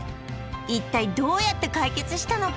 一体どうやって解決したのか？